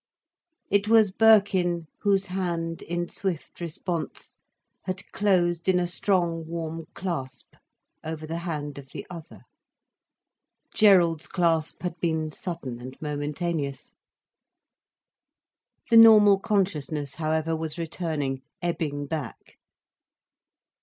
It was Birkin whose hand, in swift response, had closed in a strong, warm clasp over the hand of the other. Gerald's clasp had been sudden and momentaneous. The normal consciousness however was returning, ebbing back.